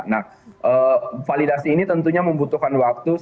nah validasi ini tentunya membutuhkan waktu